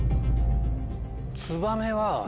ツバメは。